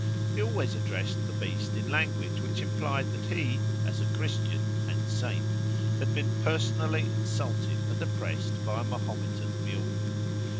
He always addressed the beast in language which implied that he, as a Christian and saint, had been personally insulted and oppressed by a Mahometan mule.